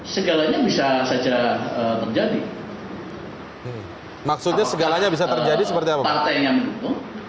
segalanya bisa saja terjadi maksudnya segalanya bisa terjadi seperti apa yang